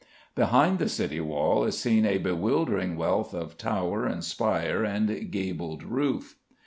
Behind the city wall is seen a bewildering wealth of tower and spire and gabled roof.